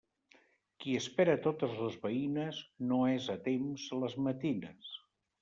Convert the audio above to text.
Qui espera totes les veïnes, no és a temps a les matines.